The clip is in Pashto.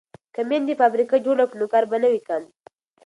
که میندې فابریکه جوړ کړي نو کار به نه وي کم.